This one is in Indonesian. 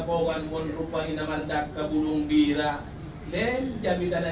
saya ingin menerima salam kepada raja raja